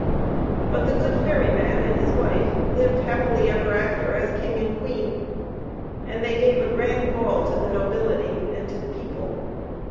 But the good ferry man and his wife lived happily ever after, as king and queen. And they gave a grand ball to the nobility and to the people....